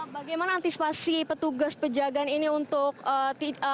bagaimana antisipasi petugas pejagaan yang diperlukan untuk menuju ke jakarta